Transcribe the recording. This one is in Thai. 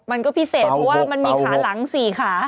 มันก็พิเศษเพราะว่ามันมีขาหลัง๔ขา